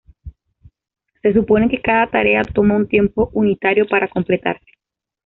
Se supone que cada tarea toma un tiempo unitario para completarse.